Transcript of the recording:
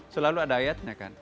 selalu ada ayatnya kan